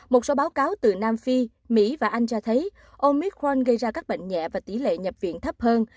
một số báo cáo từ nam phi mỹ và anh cho thấy omicron gây ra các bệnh nhẹ và tỷ lệ nhập viện thấp hơn